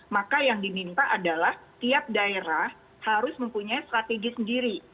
maka yang diminta adalah tiap daerah harus mempunyai strategi sendiri